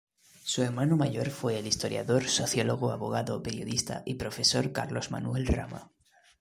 Su hermano mayor fue el historiador, sociólogo, abogado, periodista y profesor Carlos Manuel Rama.